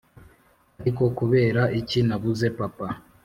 ariko kubera iki nabuze papa?